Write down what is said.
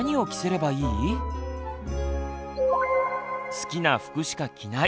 好きな服しか着ない。